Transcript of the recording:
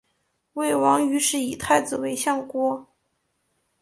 魏王于是以太子为相国。